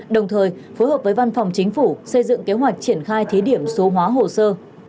đồng thời phối hợp với văn phòng chính phủ xây dựng kế hoạch triển khai thí điểm số hóa hồ sơ